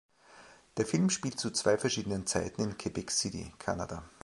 Der Film spielt zu zwei verschiedenen Zeiten in Quebec City (Kanada).